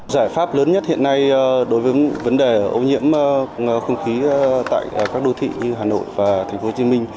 giải pháp lớn nhất hiện nay đối với vấn đề ô nhiễm không khí tại các đô thị như hà nội và tp hcm